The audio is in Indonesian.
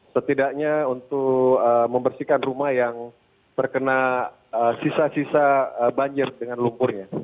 setidaknya untuk membersihkan rumah yang terkena sisa sisa banjir dengan lumpurnya